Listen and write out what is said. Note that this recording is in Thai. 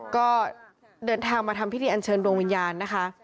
ก็เดินทางมาทำพิธีอันเชิญดวงวิญญาณนะคะ